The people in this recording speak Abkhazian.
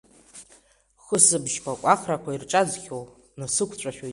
Хысбыжьқәак ахрақәа ирҿаӡхьоу, насықәҵәашоит.